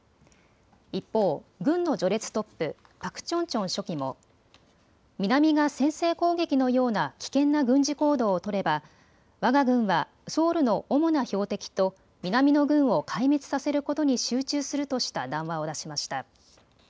一方、軍の序列トップ、パク・チョンチョン書記も南が先制攻撃のような危険な軍事行動を取ればわが軍はソウルの主な標的と南の軍を壊滅させることに集中するとした談話を出しました。